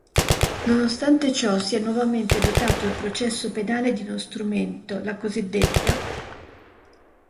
Nonostante ciò si è nuovamente dotato il processo penale di uno strumento, la cd.